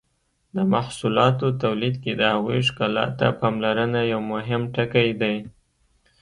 د محصولاتو تولید کې د هغوی ښکلا ته پاملرنه یو مهم ټکی دی.